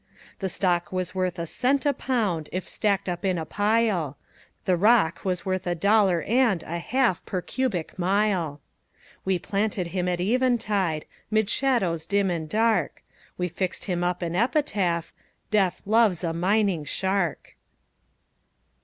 The stock was worth a cent a pound If stacked up in a pile. The rock was worth a dollar and A half per cubic mile. We planted him at eventide, 'Mid shadows dim and dark; We fixed him up an epitaph, "Death loves a mining shark."